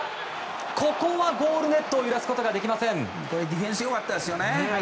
ここはゴールネットを揺らすことができません。